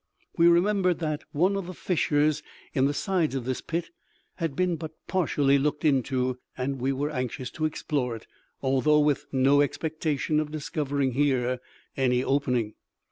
We remembered that one of the fissures in the sides of this pit had been but partially looked into, and we were anxious to explore it, although with no expectation of discovering here any opening.